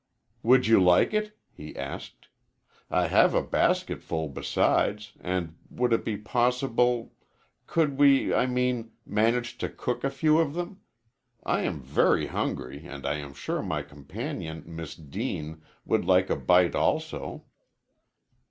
"Would you like it?" he asked. "I have a basketful besides, and would it be possible could we, I mean, manage to cook a few of them? I am very hungry, and I am sure my companion, Miss Deane, would like a bite also."